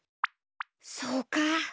そうか！